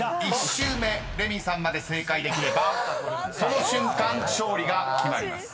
［１周目レミイさんまで正解できればその瞬間勝利が決まります］